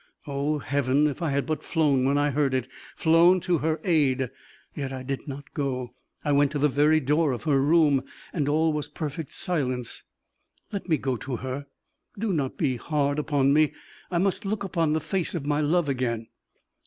Oh, Heaven! if I had but flown when I heard it flown to her aid! Yet I did go. I went to the very door of her room, and all was perfect silence. Let me go to her do not be hard upon me I must look upon the face of my love again."